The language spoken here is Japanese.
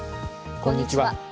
こんにちは。